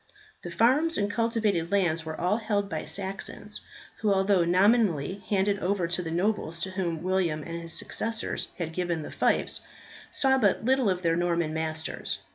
The farms and cultivated lands were all held by Saxons, who although nominally handed over to the nobles to whom William and his successors had given the fiefs, saw but little of their Norman masters.